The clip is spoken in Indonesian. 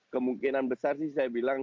kemungkinan besar sih saya bilang